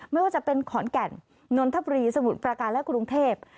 ไม่ว่าจะเป็นขอนแก่นนนทบุรีสมุทรประการและกรุงเทพ